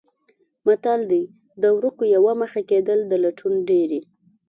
متل دی: د ورکو یوه مخه کېدل د لټون ډېرې.